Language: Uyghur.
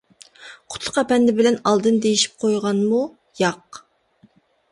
-قۇتلۇق ئەپەندى بىلەن ئالدىن دېيىشىپ قويغانمۇ؟ -ياق.